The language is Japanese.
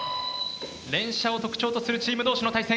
連射を特徴とするチーム同士の対戦。